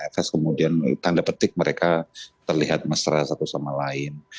f kemudian tanda petik mereka terlihat mesra satu sama lain